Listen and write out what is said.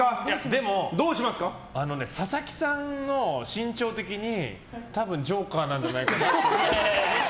でも佐々木さんの身長的に多分、ジョーカーじゃないかと。